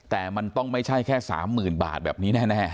แต่มันไม่ต้องแค่๓๐๐๐๐บาทแบบนี้แน่